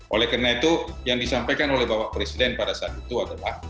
oleh karena itu yang disampaikan oleh bapak presiden pada saat itu adalah